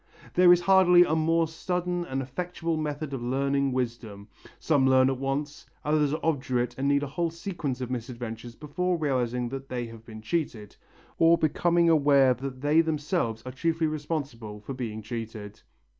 There is hardly a more sudden and effectual method of learning wisdom. Some learn at once, others are obdurate and need a whole sequence of misadventures before realizing that they have been cheated, or becoming aware that they themselves are chiefly responsible for being cheated.